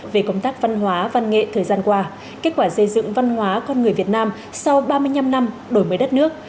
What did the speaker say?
về công tác văn hóa văn nghệ thời gian qua kết quả xây dựng văn hóa con người việt nam sau ba mươi năm năm đổi mới đất nước